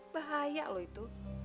bahaya loh itu